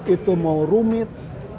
itu mau rumit